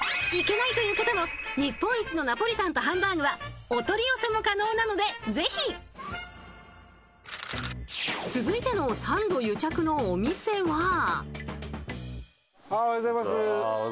行けないという方も日本一のナポリタンとハンバーグはお取り寄せも可能なので、ぜひ！続いてのサンド癒着のお店は。